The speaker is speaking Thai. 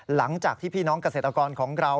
หลังจากที่พี่น้องเกษตรกรของเรา